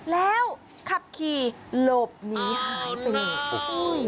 แล้วขับขี่หลบหนีหายไปเลย